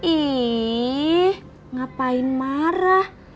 ih ngapain marah